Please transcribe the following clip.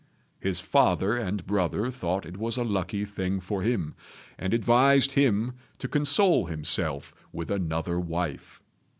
His father and brother thought it was a lucky thing for him, and advised him to console himself with another wife.